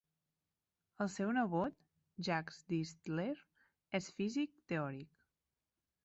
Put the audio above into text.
El seu nebot, Jacques Distler, és físic teòric.